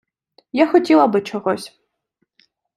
Я хотіла би чогось!